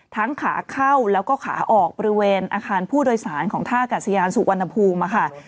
ขาเข้าแล้วก็ขาออกบริเวณอาคารผู้โดยสารของท่ากัศยานสุวรรณภูมิค่ะ